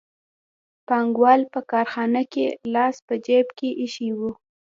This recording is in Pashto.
پانګوال په کارخانه کې لاس په جېب کې ایښی وي